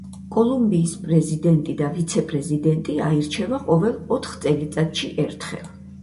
კოლუმბიის პრეზიდენტი და ვიცე-პრეზიდენტი აირჩევა ყოველ ოთხ წელში ერთხელ.